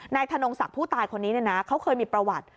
ธนงศักดิ์ผู้ตายคนนี้เขาเคยมีประวัติ